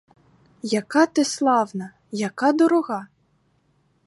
Яка ти славна, яка дорога!